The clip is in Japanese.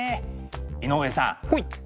井上さん。